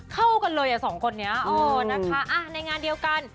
เข้ากันเลยอ่ะสองคนนี้เออนะคะในงานเดียวกัน